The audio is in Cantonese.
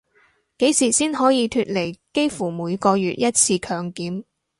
幾時先可以脫離幾乎每個月一次強檢